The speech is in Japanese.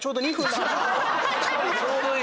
ちょうどいい！